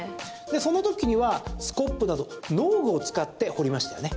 その時にはスコップなど農具を使って掘りましたよね？